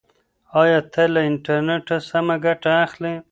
ایا ته له انټرنیټه سمه ګټه اخلې؟